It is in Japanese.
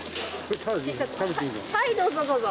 はいどうぞどうぞ。